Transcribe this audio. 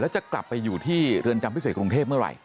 จะกลับไปอยู่ที่เรือนจำพิเศษกรุงเทพเมื่อไหร